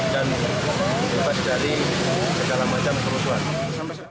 dan bebas dari segala macam kemusuhan